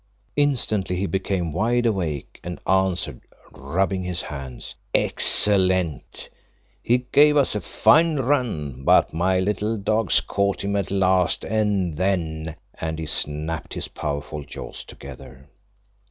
Instantly he became wide awake, and answered, rubbing his hands "Excellent. He gave us a fine run, but my little dogs caught him at last, and then " and he snapped his powerful jaws together.